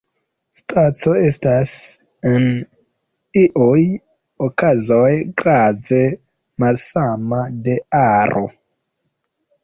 Spaco estas en iuj okazoj grave malsama de aro.